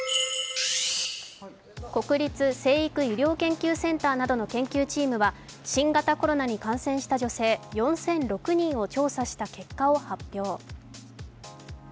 国立成育医療研究センターなどの研究チームは新型コロナに感染した女性４００６人を調査した結果を発表。